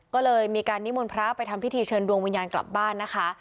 ก็เลยมีการนิมนต์พระไปทำพิธีเชิญดวงวิญญาณกลับบ้านนะคะ